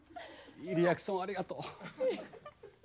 いいリアクションありがとう。